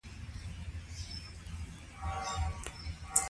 په کیمیاوي انجنیری کې کیمیا او فزیک یوځای کیږي.